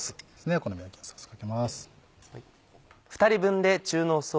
お好み焼きのソースかけます。